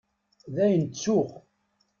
Dayen ttuɣ.